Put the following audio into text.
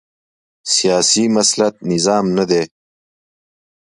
سیاسي مسلط نظام نه دی